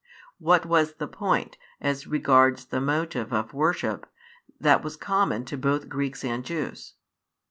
What was the point, as regards the motive of worship, that was common to both Greeks and Jews?